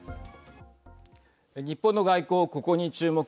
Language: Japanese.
日本の外交、ここに注目。